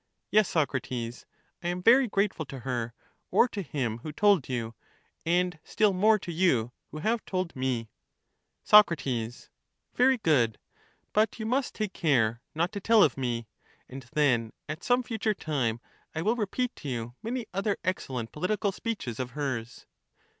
Yes, Socrates, I am very grateful to her or to him who told you, and still more to you who have told me. 249 Menexenics promises to keep the secret. 533 Soc. Very good. But you must take care not to tell of me, Menexenus. and then at some future time I will repeat to you many other Socrates, excellent political speeches of hers.